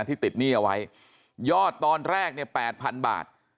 ที่ติดหนี้เอาไว้ยอดตอนแรกเนี่ย๘๐๐๐บาท